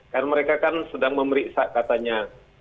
karena mereka kan sedang memeriksa katanya